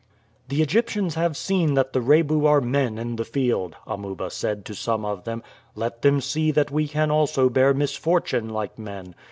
"The Egyptians have seen that the Rebu are men in the field," Amuba said to some of them. "Let them see that we can also bear misfortune like men.